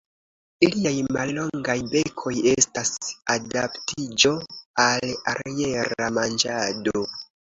Iliaj mallongaj bekoj estas adaptiĝo al aera manĝado.